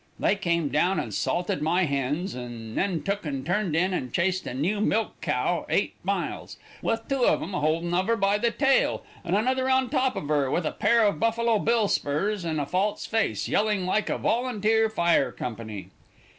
They come down and salted my hens, and then took and turned in and chased a new milch cow eight miles, with two of 'em holdin' of her by the tail, and another on top of her with a pair of Buffalo Bill spurs and a false face, yelling like a volunteer fire company.